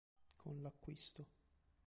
Con l'acquisto.